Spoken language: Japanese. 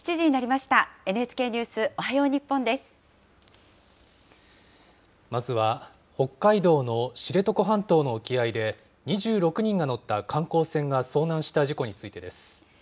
まずは北海道の知床半島の沖合で、２６人が乗った観光船が遭難した事故についてです。